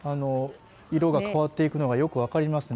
色が変わっていくのがよく分かりますね